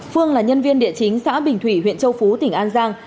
phương là nhân viên địa chính xã bình thủy huyện châu phú tỉnh an giang